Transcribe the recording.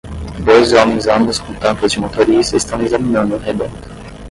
Dois homens ambos com tampas de motorista estão examinando um rebento